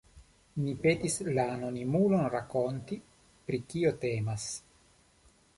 Ni petis la anonimulon rakonti, pri kio temas.